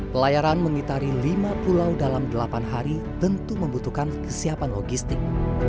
pelayaran mengitari lima pulau dalam delapan hari tentu membutuhkan kesiapan logistik